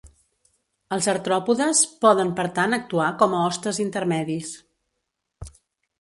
Els artròpodes poden per tant actuar com a hostes intermedis.